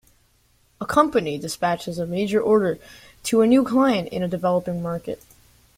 A company dispatches a major order to a new client in a developing market.